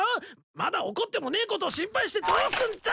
まだ起こってもねえことを心配してどうすんだ！